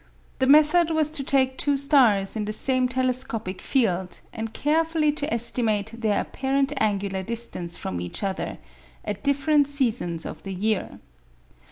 The method was to take two stars in the same telescopic field and carefully to estimate their apparent angular distance from each other at different seasons of the year.